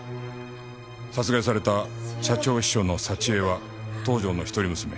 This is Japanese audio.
殺害された社長秘書の沙知絵は東条の一人娘。